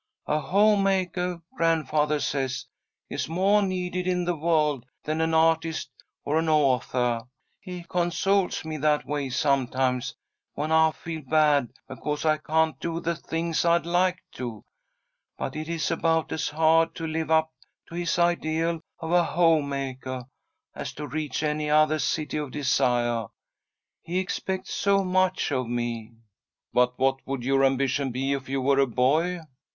A home makah, grandfathah says, is moah needed in the world than an artist or an authah. He consoles me that way sometimes, when I feel bad because I can't do the things I'd like to. But it is about as hard to live up to his ideal of a home makah, as to reach any othah City of Desiah. He expects so much of me." "But what would your ambition be if you were a boy?"